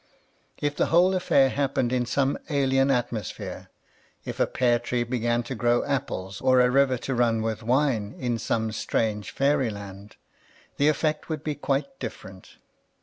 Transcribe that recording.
If the whole affair happened in some alien atmos phere, if a pear tree began to grow apples [ 43 ] A Defence of Farce or a river to run with wine in some strange fairy land, the effect would be quite different.